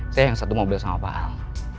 saya yang satu mobil sama pak ham